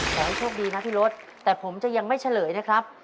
ขอให้โชคดีนะพี่รถแต่ผมจะยังไม่เฉลยนะครับ